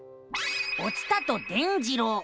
「お伝と伝じろう」。